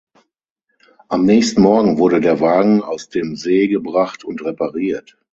Am nächsten Morgen wurde der Wagen aus dem See gebracht und repariert.